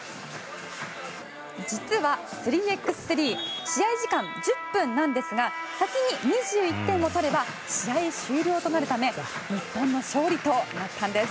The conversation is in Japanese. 実は３×３試合時間、１０分なんですが先に２１点を取れば試合終了となるため日本の勝利となったんです。